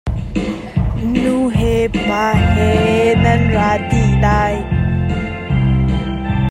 Nu he pa he nan ra dih lai.